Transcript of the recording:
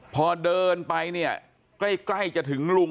พอเดินไปใกล้จะถึงลุง